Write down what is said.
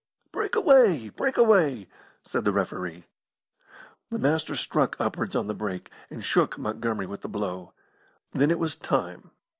"Break away! Break away!" said the referee. The Master struck upwards on the break, and shook Montgomery with the blow. Then it was "time."